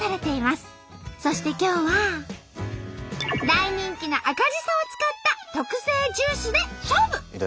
そして今日は大人気の赤じそを使った特製ジュースで勝負！